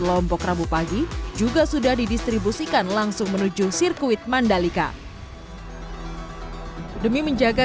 lombok rabu pagi juga sudah didistribusikan langsung menuju sirkuit mandalika demi menjaga